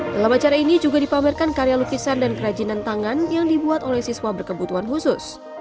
dalam acara ini juga dipamerkan karya lukisan dan kerajinan tangan yang dibuat oleh siswa berkebutuhan khusus